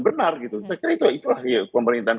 benar gitu saya kira itulah pemerintahan